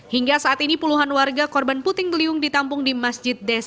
hingga saat ini puluhan warga korban puting beliung ditampung di masjid desa